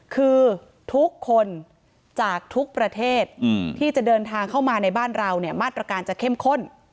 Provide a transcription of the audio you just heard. คือทุกคนจากทุกประเทศที่จะเดินทางเข้ามาในบ้านเราเนี่ยมาตรการจะเข้มข้น